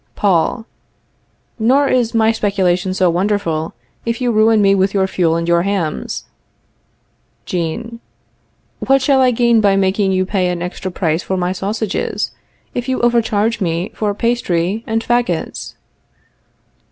Paul. Nor is my speculation so wonderful, if you ruin me with your fuel and your hams. Jean. What shall I gain by making you pay an extra price for my sausages, if you overcharge me for pastry and fagots?